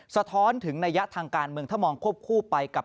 สะท้อนถึงนัยยะทางการเมืองถ้ามองควบคู่ไปกับ